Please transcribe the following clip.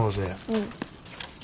うん。